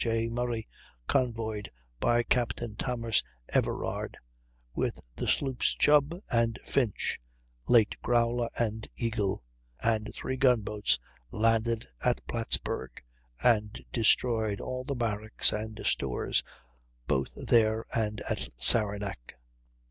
J. Murray, convoyed by Captain Thomas Everard, with the sloops Chubb and Finch (late Growler and Eagle) and three gunboats, landed at Plattsburg and destroyed all the barracks and stores both there and at Saranac.